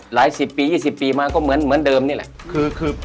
หลายสิบปียี่สิบปีมาก็เหมือนเดิมนี่แหละ